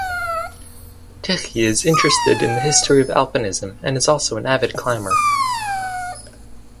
Tichy is interested in the history of Alpinism and is also an avid climber.